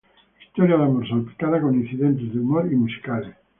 Historia de amor salpicada con incidentes de humor y musicales.